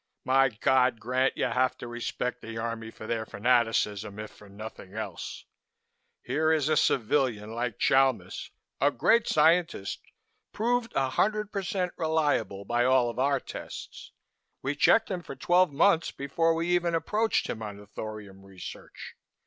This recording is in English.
My God! Grant, you have to respect the Army for their fanaticism, if for nothing else. Here is a civilian like Chalmis, a great scientist, proved 100% reliable by all of our tests. We checked him for twelve months before we even approached him on the thorium research.